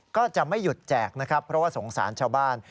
ก็จะไม่หยุดแจกนะครับเพราะว่าสงสารชาวบ้าน